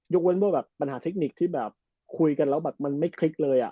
ยกว่าปัญหาเทคนิคที่คุยกันแล้วไม่คลิกเลย